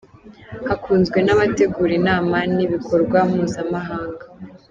hakunzwe n’abategura inama n’ibikorwa mpuzamahanga.